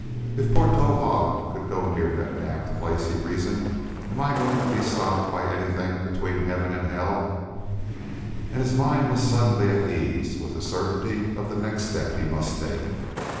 "If poor Towahg could go near that damned place," he reasoned, "am I going to be stopped by anything between heaven and hell?" And his mind was suddenly at ease with the certainty of the next step he must take.